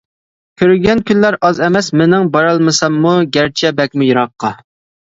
كۆرگەن كۈنلەر ئاز ئەمەس مىنىڭ، بارالمىساممۇ گەرچە بەكمۇ يىراققا.